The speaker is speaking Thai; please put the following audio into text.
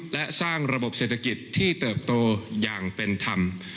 และสร้างระบบเศรษฐกิจที่เติบโตอย่างเป็นธรรม